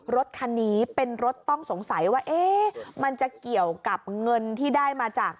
รถคันนี้เป็นรถต้องสงสัยว่าเอ๊ะมันจะเกี่ยวกับเงินที่ได้มาจาก